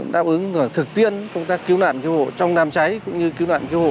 đáp ứng thực tiên công tác cứu nạn cứu hộ trong nàm cháy cũng như cứu nạn cứu hộ